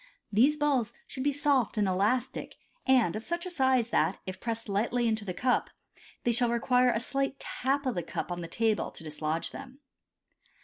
These balls should be soft and elastic, and of such a size that, if pressed lightly into the cup, they shall require a slight tap of the cup on the table to dislodge them.